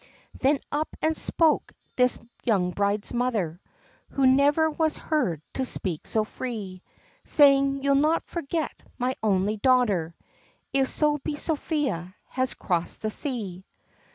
Then up and spoke this young bride's mother, Who never was heard to speak so free; Saying, "You'll not forget my only daughter, If so be Sophia has crossed the sea."